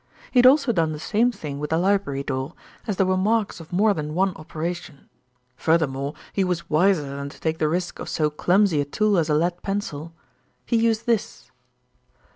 He had also done the same thing with the library door, as there were marks of more than one operation. Furthermore, he was wiser than to take the risk of so clumsy a tool as a lead pencil. He used this."